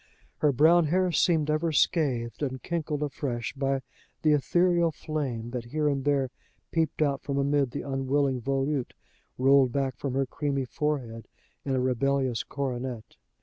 Her brown hair seemed ever scathed and crinkled afresh by the ethereal flame that here and there peeped from amid the unwilling volute rolled back from her creamy forehead in a rebellious coronet.